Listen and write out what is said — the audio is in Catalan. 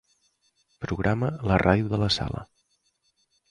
Programa la ràdio de la sala.